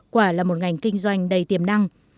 quả là một ngành kinh doanh đầy tiềm năng